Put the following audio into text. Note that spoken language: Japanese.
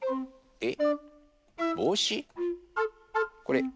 えっ？